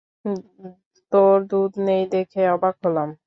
তোর দুধ নেই দেখে অবাক হলাম।